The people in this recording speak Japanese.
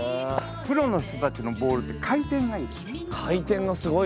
プロの人たちのボールって回転がいい。